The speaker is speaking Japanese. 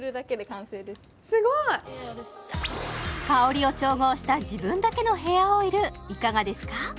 すごい香りを調合した自分だけのヘアオイルいかがですか？